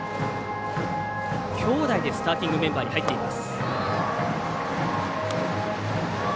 兄弟でスターティングメンバーに入っています。